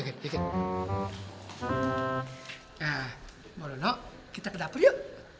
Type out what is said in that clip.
nah mbak rono kita ke dapur yuk